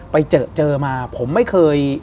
ไปเจอเจอมาผมไม่เคย